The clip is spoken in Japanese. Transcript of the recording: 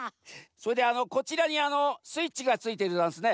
それであのこちらにあのスイッチがついてるざんすね。